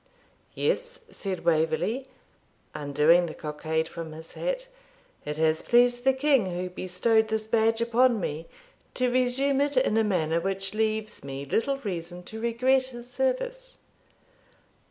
'Yes,' said Waverley, undoing the cockade from his hat, 'it has pleased the king who bestowed this badge upon me to resume it in a manner which leaves me little reason to regret his service.'